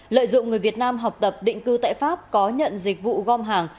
lợi dụng người việt nam học tập định cư tại pháp có nhận dịch vụ gom hàng